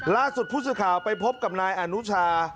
ล่าสุดผู้สื่อข่าวไปพบกับนายอนุชา